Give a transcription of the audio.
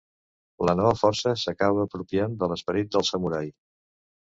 La nova força s'acaba apropiant de l'esperit del samurai.